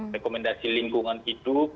rekomendasi lingkungan hidup